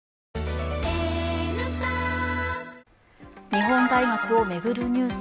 日本大学を巡るニュース